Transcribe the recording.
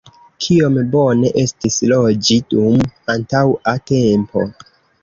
Kiom bone estis loĝi dum antaŭa tempo!